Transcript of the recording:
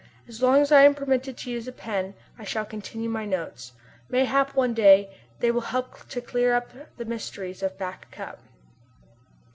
As long as I am permitted to use a pen I shall continue my notes. Mayhap some day, they will help to clear up the mysteries of Back Cup.